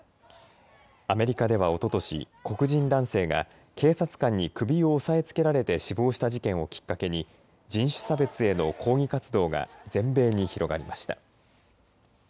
アメリカではおととし黒人男性が警察官に首を押さえつけられて死亡した事件をきっかけに人種差別への抗議活動が全米に広がりました。